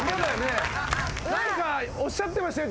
何かおっしゃってましたよ